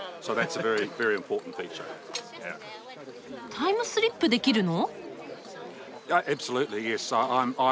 タイムスリップできるの？